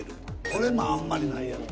これもあんまりないやろ